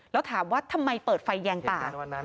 แล้วถามว่าทำไมเปิดไฟแยงตา